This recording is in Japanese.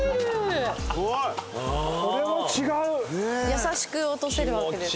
優しく落とせるわけですね。